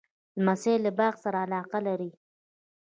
لمسی له باغ سره علاقه لري.